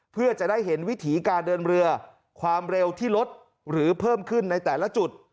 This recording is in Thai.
เพื่อจะได้เห็นวิถีการเดินเรือความเร็วที่ลดหรือเพิ่มขึ้นในแต่ละจุด